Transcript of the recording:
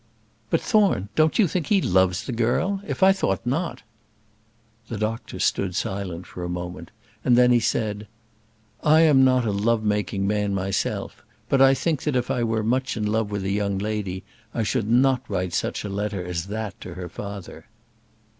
"But, Thorne, don't you think he loves the girl? If I thought not " The doctor stood silent for a moment, and then he said, "I am not a love making man myself, but I think that if I were much in love with a young lady I should not write such a letter as that to her father."